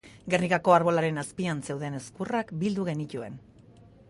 Gernikako arbolaren azpian zeuden ezkurrak bildu genituen